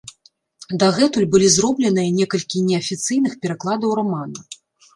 Дагэтуль былі зробленыя некалькі неафіцыйных перакладаў рамана.